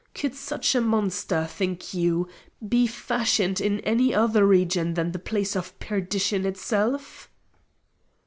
Could such a monster, think you, be fashioned in any other region than the place of perdition itself?"